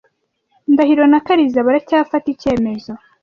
Ndahiro na Kariza baracyafata icyemezo.